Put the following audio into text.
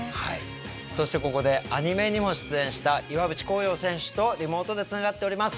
そしてここでアニメにも出演した岩渕幸洋選手とリモートでつながっております。